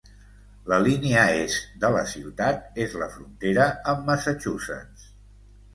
La línia est de la ciutat és la frontera amb Massachusetts.